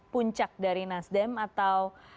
puncak dari nasdem atau